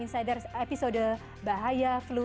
insiders episode bahaya flu